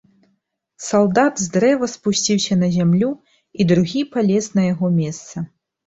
Салдат з дрэва спусціўся на зямлю, і другі палез на яго месца.